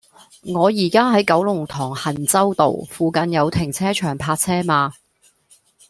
我依家喺九龍塘衡州道，附近有停車場泊車嗎